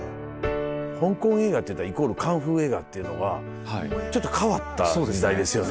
香港映画っていったらイコールカンフー映画っていうのがちょっと変わった時代ですよね。